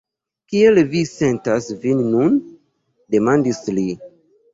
Kiel vi sentas vin nun? demandis li.